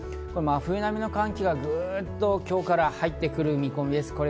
真冬並みの寒気がぐっと今日から入ってくる見込みです。